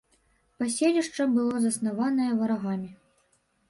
Паселішча было заснаванае варагамі.